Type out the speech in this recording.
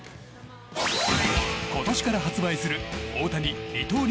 今年から販売する大谷二刀流